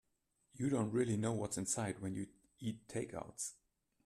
You don't really know what's inside when you eat takeouts.